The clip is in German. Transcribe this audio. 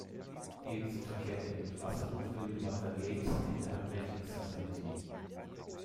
Ebenso verkehrte er mit Russell und William Butler Yeats in der Hermetic Society.